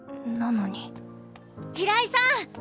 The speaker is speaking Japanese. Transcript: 平井さん！